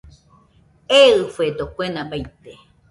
Eɨfedo kuena baite